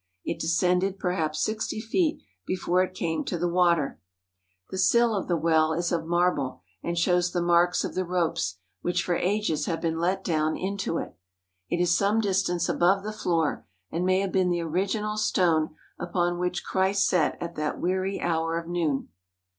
It descended perhaps sixty feet before it came to the water. The sill 152 AMONG THE SAMARITANS of the well is of marble and shows the marks of the ropes which for ages have been let down into it. It is some distance above the floor and may have been the original stone upon which Christ sat at that weary hour of noon.